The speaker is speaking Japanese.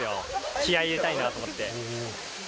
気合い入れたいなと思って。